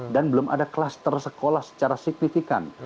dan belum ada klaster sekolah secara signifikan